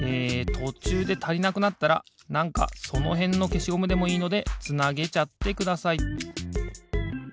とちゅうでたりなくなったらなんかそのへんのけしゴムでもいいのでつなげちゃってください。